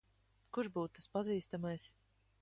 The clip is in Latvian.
Kurš būtu tas pazīstamais?